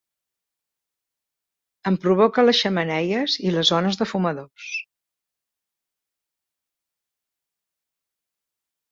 En provoquen les xemeneies i les zones de fumadors.